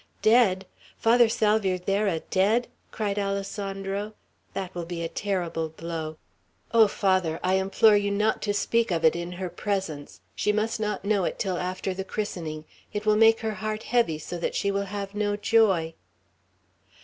"Dead! Father Salvierderra dead!" cried Alessandro. "That will be a terrible blow. Oh, Father, I implore you not to speak of it in her presence. She must not know it till after the christening. It will make her heart heavy, so that she will have no joy."